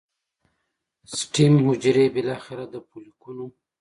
سټیم حجرې بالاخره د فولیکونو